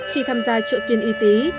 khi tham gia trợ kiến y tí